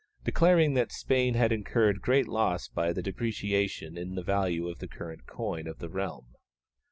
declaring that Spain had incurred great loss by the depreciation in the value of the current coin of the realm.